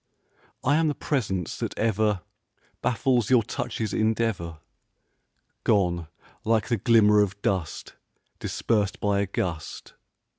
I am the presence that ever Baffles your touch's endeavor, Gone like the glimmer of dust Dispersed by a gust.